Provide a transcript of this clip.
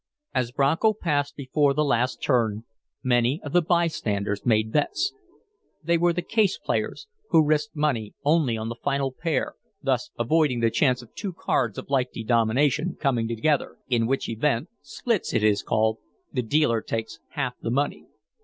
As Bronco paused before the last turn, many of the by standers made bets. They were the "case players" who risked money only on the final pair, thus avoiding the chance of two cards of like denomination coming together, in which event ("splits" it is called) the dealer takes half the money.